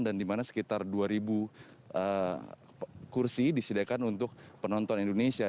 dan dimana sekitar dua kursi disediakan untuk penonton indonesia